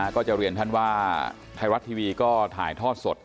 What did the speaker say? ก็จะเรียนท่านว่าไทยรัฐทีวีก็ถ่ายทอดสด